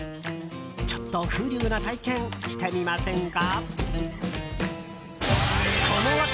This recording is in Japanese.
ちょっと風流な体験してみませんか。